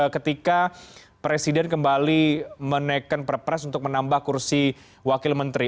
ketika presiden kembali menaikkan perpres untuk menambah kursi wakil menteri